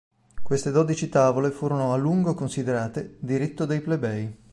Queste dodici tavole furono a lungo considerate diritto dei plebei.